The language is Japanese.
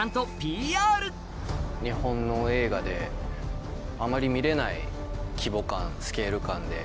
日本の映画であまり見れない規模感スケール感で。